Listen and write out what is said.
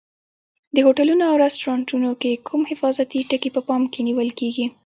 د هوټلونو او رستورانتونو کې کوم حفاظتي ټکي په پام کې نیول کېږي؟